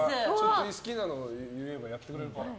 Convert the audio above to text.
好きなの言えばやってくれるよ。